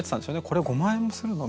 「これ五万円もするの？」